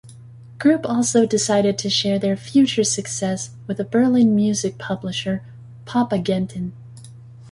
Group also decided to share their future success with a Berlin music publisher "Popagenten".